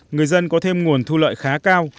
người dân có thêm nguồn thu lợi khá cao